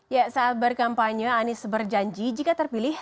ya saat berkampanye anies berjanji jika terpilih